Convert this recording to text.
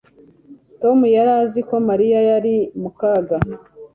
Tom yari azi ko Mariya yari mu kaga